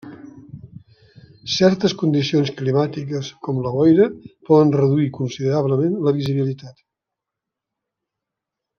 Certes condicions climàtiques, com la boira, poden reduir considerablement la visibilitat.